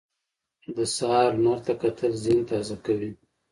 د سهار لمر ته کتل ذهن تازه کوي.